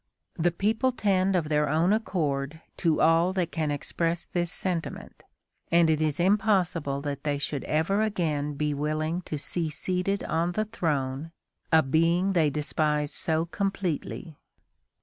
The people tend of their own accord to all that can express this sentiment, and it is impossible that they should ever again be willing to see seated on the throne a being they despise so completely."